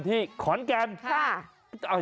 ที่ใช้ชื่อว่า